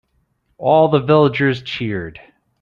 All the villagers cheered.